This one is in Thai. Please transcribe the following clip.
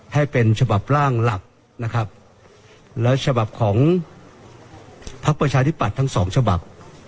ให้เป็นฉบับร่างหลักนะครับแล้วฉบับของพักประชาธิปัตย์ทั้งสองฉบับ